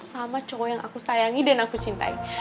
sama cowok yang aku sayangi dan aku cintai